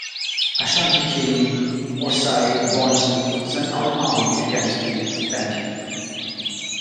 Ashanti king Osei Bonsu sent out an army against the Fante.